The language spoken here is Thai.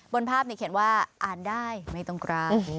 บนภาพเขียนว่าอ่านได้ไม่ต้องกราบ